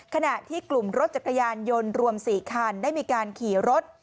ขณะที่กลุ่มรถจักรยานยนต์รวม๔คันได้มีการขี่รถ